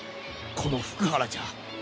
この福原じゃ！